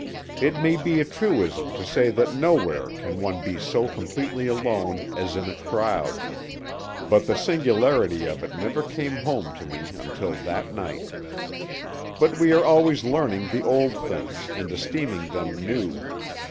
It may be a truism to say that nowhere can one be so completely alone as in a crowd; but the singularity of it never came home to me until that night. But we are always learning the old things and esteeming them new.